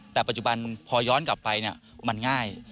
แต่ปัจจุบันพอย้อนกลับไปมันง่าย